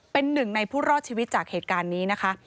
เป็นหนึ่งในผู้รอดชีวิตจากเหตุการณ์นี้นะคะ